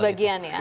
dapat bagian ya